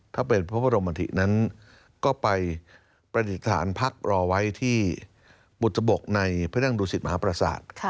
ถ้าเป็นพระบรมธินั้นก็ไปประดิษฐานพักรอไว้ที่บุตบกในพระนั่งดุสิตมหาประสาท